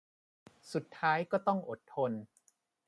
สุดท้ายก็ต้องอดทน